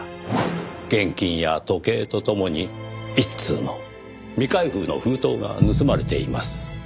現金や時計と共に一通の未開封の封筒が盗まれています。